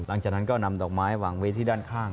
หลังจากนั้นก็นำดอกไม้วางไว้ที่ด้านข้าง